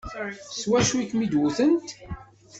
S wacu i kem-id-wtent?